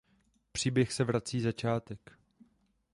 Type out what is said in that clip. Příběh se vrací začátek.